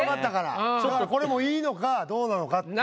ちょっとこれもいいのかどうなのかっていう。